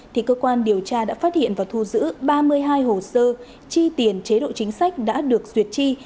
thì cơ quan điều tra đã phát hiện và thu giữ ba mươi hai hồ sơ chi tiền chế độ chính sách đã được duyệt chi